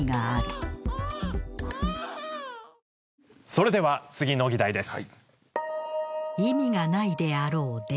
それでは次の議題です。